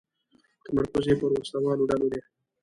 تمرکز یې پر وسله والو ډلو و.